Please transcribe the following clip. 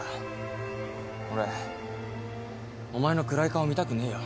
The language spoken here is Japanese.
俺お前の暗い顔見たくねえよ。